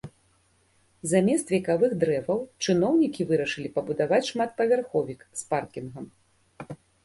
Замест векавых дрэваў чыноўнікі вырашылі пабудаваць шматпавярховік з паркінгам.